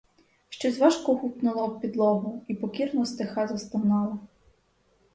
Щось важко гупнуло об підлогу і покірно стиха застогнало.